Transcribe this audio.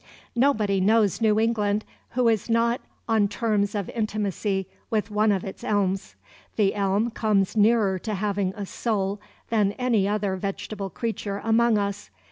Nobody knows New England who is not on terms of intimacy with one of its elms. The elm comes nearer to having a soul than any other vegetable creature among us.